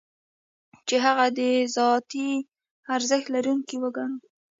چې هغه د ذاتي ارزښت لرونکی وګڼو.